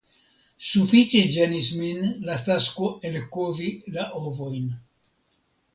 Sufiĉe ĝenis min la tasko elkovi la ovojn.